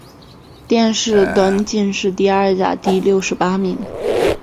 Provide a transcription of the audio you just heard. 殿试登进士第二甲第六十八名。